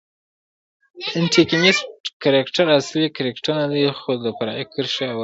انټکنیسټ کرکټراصلي کرکټرنه دئ، خو د فرعي کښي اول دئ.